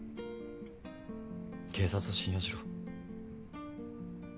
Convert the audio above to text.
警察を信用しろ。